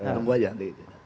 tunggu aja nanti